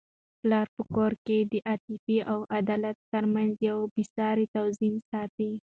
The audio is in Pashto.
پلار په کورنی کي د عاطفې او عدالت ترمنځ یو بې سارې توازن ساتي.